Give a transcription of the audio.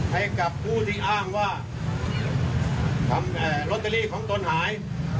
ให้กับผู้ที่อ้างว่าทำลอตเตอรี่ของตนหาย